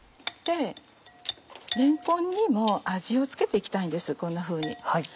れんこんにも味を付けて行きたいんですこんなふうに。